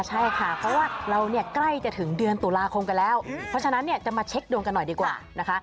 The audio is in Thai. ใช่ค่ะเพราะว่าเราเนี่ยใกล้จะถึงเดือนตุลาคมกันแล้วเพราะฉะนั้นเนี่ยจะมาเช็คดวงกันหน่อยดีกว่านะคะ